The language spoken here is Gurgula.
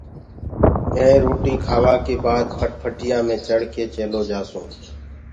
مي روٽيٚ کآوآ ڪي بآد ڦٽَڦٽِيآ مي چڙه ڪي چيلو جآسونٚ